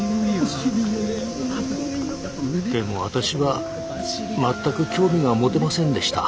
でも私は全く興味が持てませんでした。